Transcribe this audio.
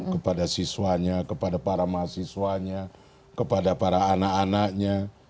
kepada siswanya kepada para mahasiswanya kepada para anak anaknya